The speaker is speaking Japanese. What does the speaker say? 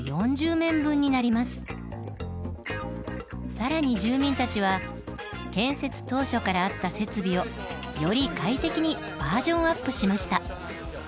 更に住民たちは建設当初からあった設備をより快適にバージョンアップしました。